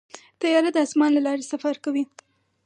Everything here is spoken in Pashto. طیاره د اسمان له لارې سفر کوي.